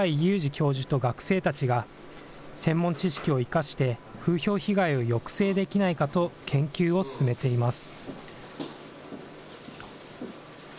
教授と学生たちが、専門知識を生かして風評被害を抑制できないかと研究を進めています。